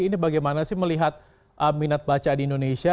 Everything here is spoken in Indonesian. ini bagaimana sih melihat minat baca di indonesia